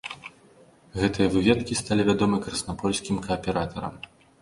Гэтыя выведкі сталі вядомы краснапольскім кааператарам.